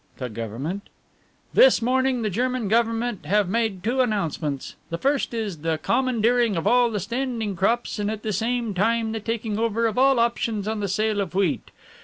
"The Government?" "This morning the German Government have made two announcements. The first is the commandeering of all the standing crops, and at the same time the taking over of all options on the sale of wheat.